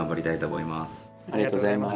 ありがとうございます。